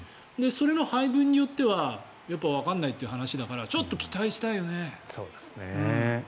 その配分によってはわからないという話だからちょっと期待したいよね。